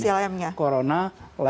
ini adalah alat untuk melakukan asesori